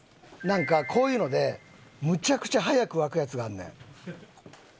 なんかこういうのでむちゃくちゃ早く沸くやつがあんねん。